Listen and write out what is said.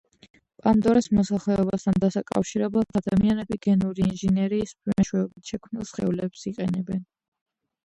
პანდორას მოსახლეობასთან დასაკავშირებლად ადამიანები გენური ინჟინერიის მეშვეობით შექმნილ სხეულებს იყენებენ.